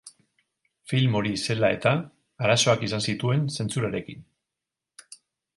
Film hori zela eta, arazoak izan zituen zentsurarekin.